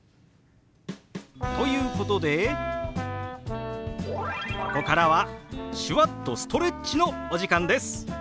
ということでここからは手話っとストレッチのお時間です。